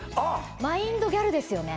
マインドギャルですよね？